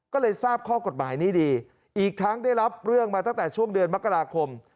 ก็เลยทราบข้อกฎหมายนี้ดีอีกทั้งได้รับเรื่องมาตั้งแต่ช่วงเดือนมกราคม